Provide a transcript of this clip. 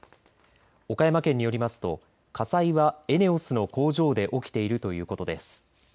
岡山県によりますと火災はエネオスの工場で起きているということです。